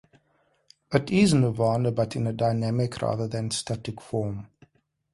It is Nirvana but in a dynamic rather than static form.